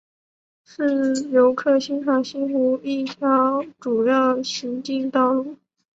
是游客欣赏西湖的一条主要行进道路。